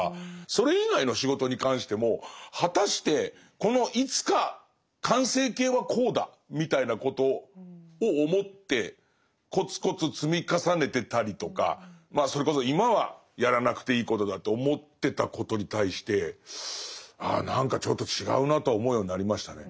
それ以外の仕事に関しても果たしてこのいつか完成形はこうだみたいなことを思ってコツコツ積み重ねてたりとかそれこそ今はやらなくていいことだと思ってたことに対して「ああ何かちょっと違うな」とは思うようになりましたね。